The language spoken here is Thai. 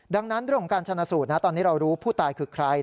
ดังนั้นเรื่องของการชนะสูตรนะตอนนี้เรารู้ผู้ตายคือใคร